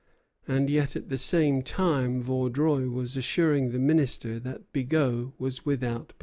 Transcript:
And yet at the same time Vaudreuil was assuring the Minister that Bigot was without blame.